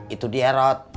itu dia rod